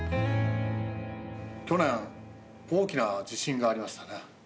去年大きな地震がありましたね。